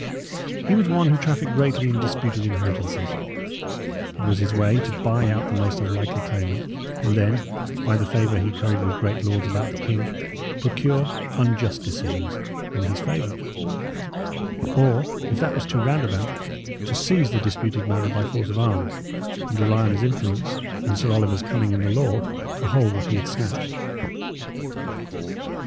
He was one who trafficked greatly in disputed inheritances; it was his way to buy out the most unlikely claimant, and then, by the favour he curried with great lords about the king, procure unjust decisions in his favour; or, if that was too roundabout, to seize the disputed manor by force of arms, and rely on his influence and Sir Oliver's cunning in the law to hold what he had snatched.